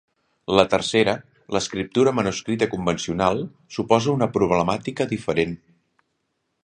La tercera, l'escriptura manuscrita convencional, suposa una problemàtica diferent.